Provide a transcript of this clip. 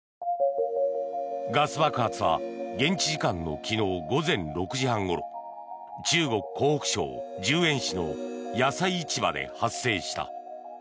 ガス爆発は現地時間の昨日午前６時半ごろ中国・湖北省十堰市の野菜市場で発生した。